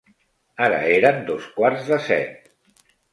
Ara eren dos quarts de set.